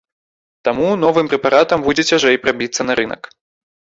Таму новым прэпаратам будзе цяжэй прабіцца на рынак.